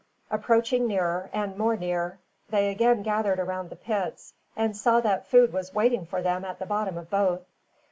Approaching nearer, and more near, they again gathered around the pits, and saw that food was waiting for them at the bottom of both.